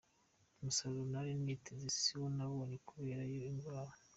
Umusaruro nari niteze si wo nabonye kubera iyo ndwara.